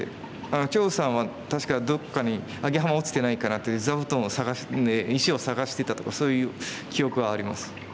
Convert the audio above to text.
張栩さんは確か「どっかにアゲハマ落ちてないかな」と石を探してたとかそういう記憶はあります。